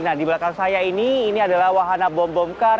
nah di belakang saya ini ini adalah wahana bomb bomb car